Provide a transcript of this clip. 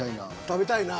食べたいな。